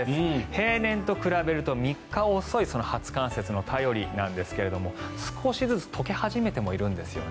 平年と比べると３日遅い初冠雪の便りなんですが少しずつ解け始めてもいるんです。